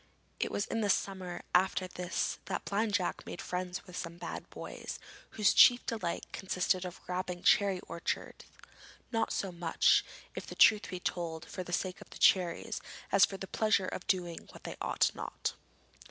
It was in the summer after this that Blind Jack made friends with some bad boys, whose chief delight consisted of robbing cherry orchards; not so much, if the truth be told, for the sake of the cherries, as for the pleasure of doing what they ought not.